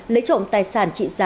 lấy trộm tài sản trị giá